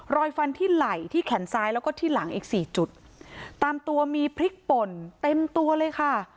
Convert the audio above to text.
ฟันที่ไหล่ที่แขนซ้ายแล้วก็ที่หลังอีกสี่จุดตามตัวมีพริกป่นเต็มตัวเลยค่ะ